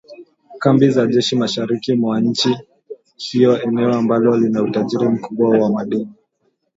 kambi za jeshi mashariki mwa nchi hiyo eneo ambalo lina utajiri mkubwa wa madini